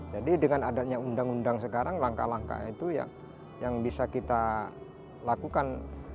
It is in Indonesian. jadi dengan adanya undang undang sekarang langkah langkah itu yang bisa kita lakukan